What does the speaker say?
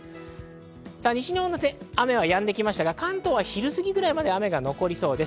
西日本の雨はやんできましたが、関東は昼過ぎくらいまで雨が残りそうです。